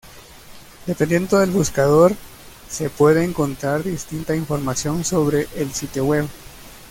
Dependiendo del buscador, se puede encontrar distinta información sobre el sitio web.